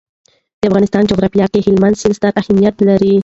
د افغانستان جغرافیه کې هلمند سیند ستر اهمیت لري.